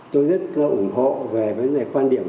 tôi rất ủng hộ về quan điểm